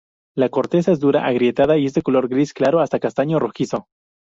La corteza es dura, agrietada y desde color gris claro hasta castaño rojizo.